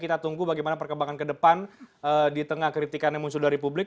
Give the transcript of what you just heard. kita tunggu bagaimana perkembangan ke depan di tengah kritikan yang muncul dari publik